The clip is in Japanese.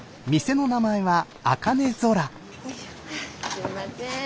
すみません。